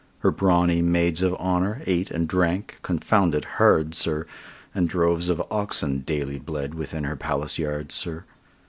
Her brawny maids of honour ate and drank confounded hard, sir, And droves of oxen daily bled within her palace yard, sir!